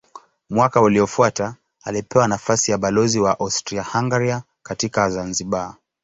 Mwaka uliofuata alipewa nafasi ya balozi wa Austria-Hungaria katika Zanzibar.